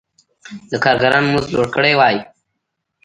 د کارګرانو مزد لوړ کړی وای.